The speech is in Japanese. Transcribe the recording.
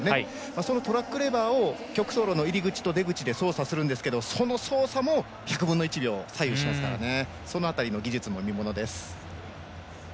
そのトラックレバーを曲走路の入り口と出口で操作するんですけどその操作も１００分の１秒を左右するのでその辺りの技術も見ものです。